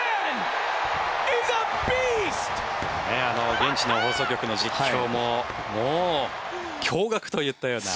現地の放送局の実況ももう驚がくといったような。